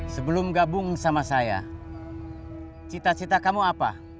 sebelum gabung sama saya cita cita kamu apa